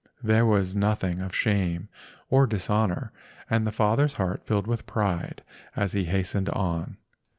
There was nothing of shame or dishonor—and the father's heart filled with pride as he hastened on.